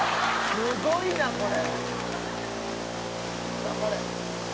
「すごいなこれ」「」